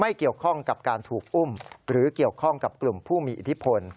เกี่ยวข้องกับการถูกอุ้มหรือเกี่ยวข้องกับกลุ่มผู้มีอิทธิพล